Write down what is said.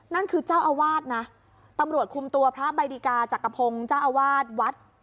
นั่นคือเจ้าอาวาสนะตำรวจคุมตัวพระใบดิกาจักรพงศ์เจ้าอาวาสวัด